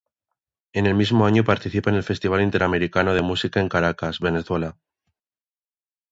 En el mismo año participa en el Festival Interamericano de Música en Caracas, Venezuela.